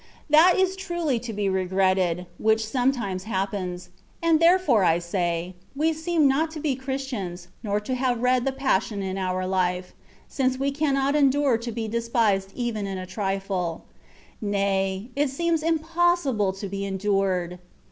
That is truly to be regretted, which sometimes happens; and therefore I say, we seem not to be Ckristians, nor to have read the passion in our life, since we cannot endure to be despised even in a trifle ; nay, it seems impossible to be endured.